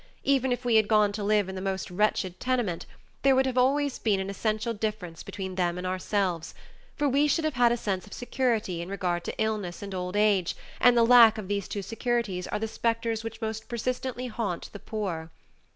Even if we had gone to live in the most wretched tenement, there would have always been an essential difference between them and ourselves, for we should have had a sense of security in regard to illness and old age and the lack of these two securities are the specters which most persistently haunt the poor.